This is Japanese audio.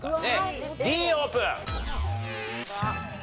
Ｄオープン。